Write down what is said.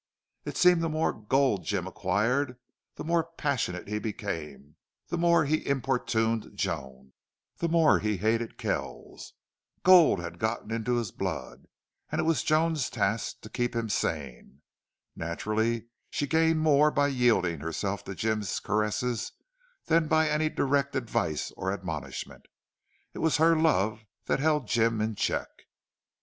It seemed the more gold Jim acquired the more passionate he became, the more he importuned Joan, the more he hated Kells. Gold had gotten into his blood, and it was Joan's task to keep him sane. Naturally she gained more by yielding herself to Jim's caresses than by any direct advice or admonishment. It was her love that held Jim in check.